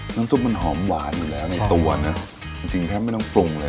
ซุปมันหอมหวานอยู่แล้วในตัวนะจริงแทบไม่ต้องปรุงเลย